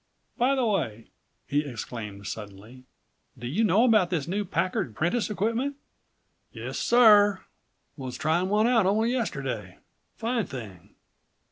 By the way," he exclaimed suddenly, "do you know about this new Packard Prentiss equipment?" "Yes, sir; was tryin' one out only yesterday. Fine thing."